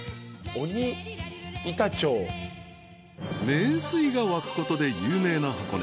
［名水が湧くことで有名な箱根］